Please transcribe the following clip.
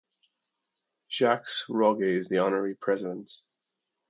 Jacques Rogge is the Honorary President.